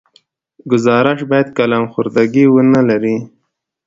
ګزارش باید قلم خوردګي ونه لري.